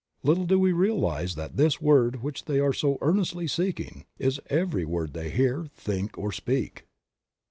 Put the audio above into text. Little do we realize that this Word which they are so earnestly seeking is every word they hear, think or speak.